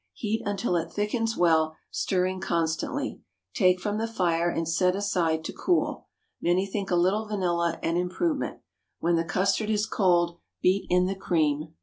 Heat until it thickens well, stirring constantly; take from the fire and set aside to cool. Many think a little vanilla an improvement. When the custard is cold, beat in the cream.